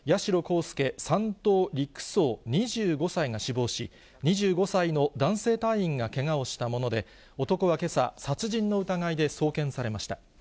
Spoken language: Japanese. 親１等陸曹５２歳と八代こうすけ３等陸曹２５歳が死亡し、２５歳の男性隊員がけがをしたもので、男はけさ、殺人の疑いで送検されました。